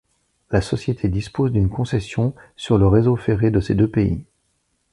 La société dispose d'une concession sur le réseau ferré de ces deux pays.